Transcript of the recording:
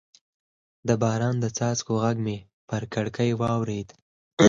د باران د څاڅکو غږ مې پر کړکۍ واورېد.